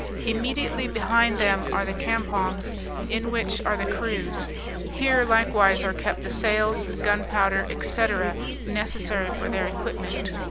Immediately behind them are the campongs, in which are the crews; here likewise are kept the sails, gunpowder, &c. necessary for their equipment.